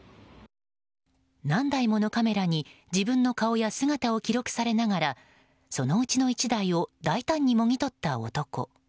何台ものカメラに自分の顔や姿を記録されながらそのうちの１台を大胆にもぎ取った男。